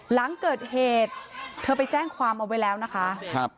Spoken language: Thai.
หลังเกิดเหตุเธอไปแจ้งความเอาไว้แล้วนะคะครับ